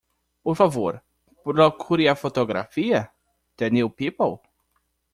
Por favor, procure a fotografia? The New People.